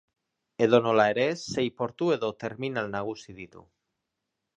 Edonola ere, sei portu edo terminal nagusi ditu.